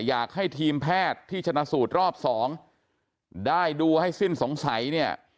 อยากให้ทีมแพทย์ที่ชนะสูตรรอบสองได้ดูให้สิ้นสงสัยเนี่ย